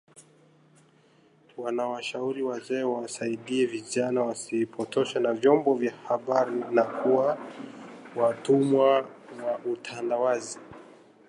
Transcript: Wanawashauri wazee wawasaidie vijana wasipotoshwe na vyombo vya habari na kuwa watumwa wa utandawazi